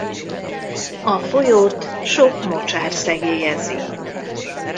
A folyót sok mocsár szegélyezi.